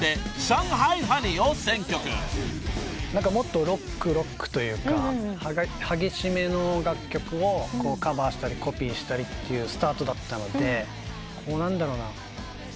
もっとロックロックというか激しめの楽曲をカバーしたりコピーしたりというスタートだったので何だろうな。